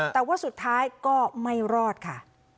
แต่ว่าสุดท้ายก็ไม่รอดค่ะ